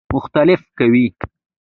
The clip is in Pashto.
مخالفت کوي.